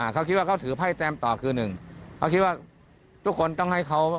เขาคิดว่าเขาถือไพ่แตมต่อคือหนึ่งเขาคิดว่าทุกคนต้องให้เขา